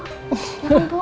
ya kan mbok